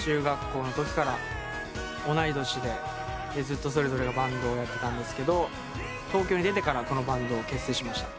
ずっとそれぞれがバンドをやってたんですけど東京に出てからこのバンドを結成しました。